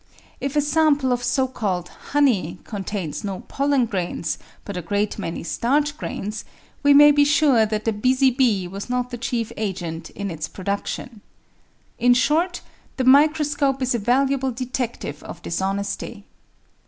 If a sample of so called ''honey" contains no pollen grains, but a great many starch grains, we may be sure 810 The Outline of Science that the busy bee was not the chief agent in its production. In short, the microscope is a valuable detective of dishonesty.